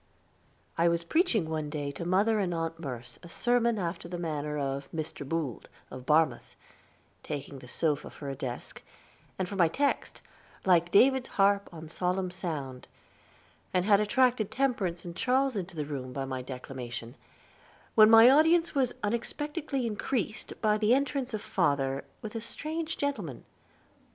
I was preaching one day to mother and Aunt Merce a sermon after the manner of Mr. Boold, of Barmouth, taking the sofa for a desk, and for my text "Like David's Harp of solemn sound," and had attracted Temperance and Charles into the room by my declamation, when my audience was unexpectedly increased by the entrance of father, with a strange gentleman.